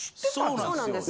そうなんですよ。